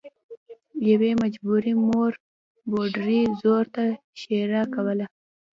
یوې مجبورې مور پوډري زوی ته ښیرا کوله